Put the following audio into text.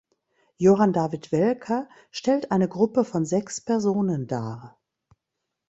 Johann David Welcker stellt eine Gruppe von sechs Personen dar.